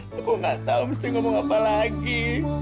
saya tidak tahu apa yang harus saya katakan lagi